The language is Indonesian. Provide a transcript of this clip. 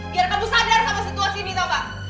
biar kamu sadar sama situasi ini tahu pak